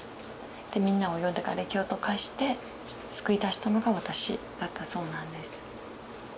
でみんなを呼んでがれきをどかして救い出したのが私だったそうなんです。